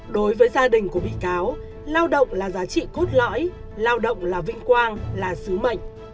đối với gia đình của bị cáo lao động là giá trị cốt lõi lao động là vinh quang là sứ mệnh